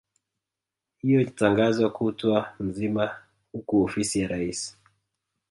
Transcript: hiyo itatangazwa kutwa nzima huku ofisi ya rais